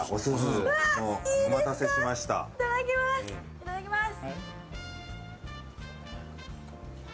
いただきます！